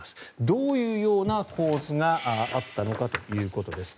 どういう構図があったのかということです。